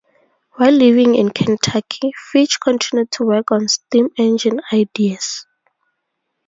While living in Kentucky, Fitch continued to work on steam engine ideas.